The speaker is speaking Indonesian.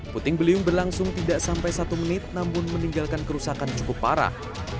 puting beliung berlangsung tidak sampai satu menit namun meninggalkan kerusakan cukup parah